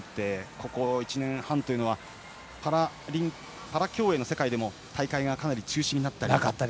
ここ１年半はパラ競泳の世界でも大会がかなり中止になったり。